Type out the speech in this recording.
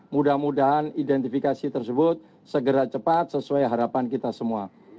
mudah mudahan identifikasi tersebut segera cepat sesuai harapan kita semua